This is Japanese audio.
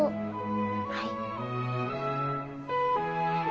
はい。